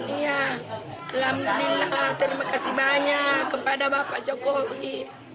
iya alhamdulillah terima kasih banyak kepada bapak jokowi